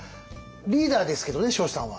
リーダーですけどね彰子さんは。